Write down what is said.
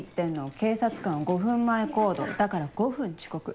警察官は５分前行動だから５分遅刻。